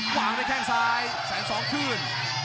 ขวางในแข่งซ้ายแสง๒คืน